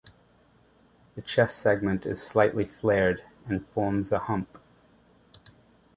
The chest segment is slightly flared and forms a hump.